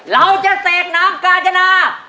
เราจะเสกน้ำกาญจนา